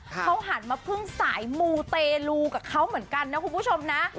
เขาหันมาพึ่งสายมูเตลูกับเขาเหมือนกันนะคุณผู้ชมนะ